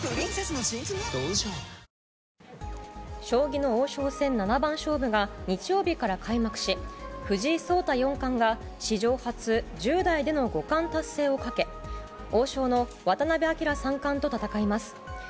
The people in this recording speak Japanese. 将棋の王将戦七番勝負が日曜日から開幕し藤井聡太四冠が史上初１０代での五冠達成をかけ王将の渡辺明三冠と戦います。